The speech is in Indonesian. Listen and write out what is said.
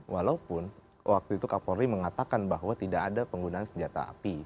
walaupun waktu itu kapolri mengatakan bahwa tidak ada penggunaan senjata api